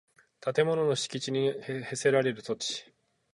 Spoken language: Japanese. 建物の敷地に供せられる土地